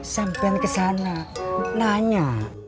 sampain kesana nanya